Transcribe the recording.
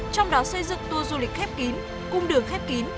trong đó xây dựng tour du lịch khép kín cung đường khép kín